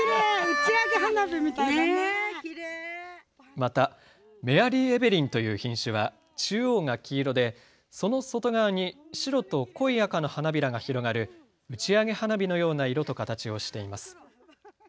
またメアリーエベリンという品種は中央が黄色でその外側に白と濃い赤の花びらが広がる打ち上げ花火のような色と形をしています。